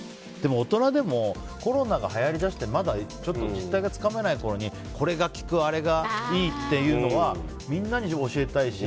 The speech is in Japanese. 大人でもコロナがはやりだしてまだちょっと実態がつかめないころにこれが効くあれがいいっていうのはみんなに教えたいし。